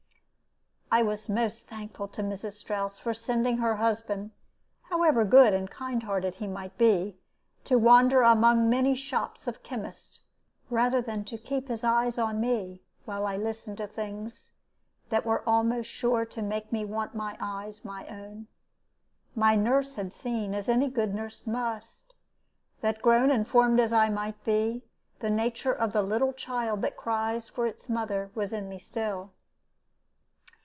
I was most thankful to Mrs. Strouss for sending her husband (however good and kind hearted he might be) to wander among many shops of chemists, rather than to keep his eyes on me, while I listened to things that were almost sure to make me want my eyes my own. My nurse had seen, as any good nurse must, that, grown and formed as I might be, the nature of the little child that cries for its mother was in me still.